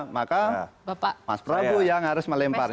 maka mas prabu yang harus melempar ini